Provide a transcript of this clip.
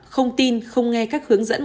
không tin không nghe các hướng dẫn